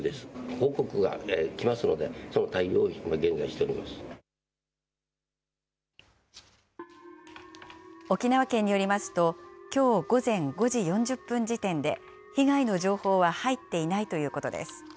報告が来ますので、その対応を現沖縄県によりますと、きょう午前５時４０分時点で、被害の情報は入っていないということです。